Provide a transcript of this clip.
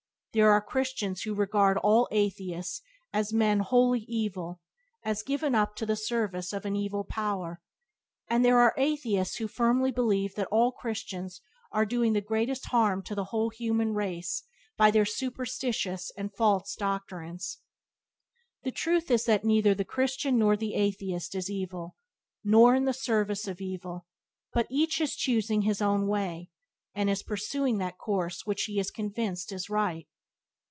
There are Christians who regard all Atheists as men wholly evil, as given up to the service of an evil power; and there are Atheists who firmly believe that all Christians are doing the greatest harm to the whole human race by their "superstitious and false doctrines." The truth is that neither the Christian nor the Atheist is evil, nor in the service of evil, but each is choosing his own way, and is pursuing that course which he is convinced is right.